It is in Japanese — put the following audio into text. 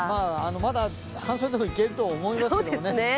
まだ半袖でもいけると思いますね。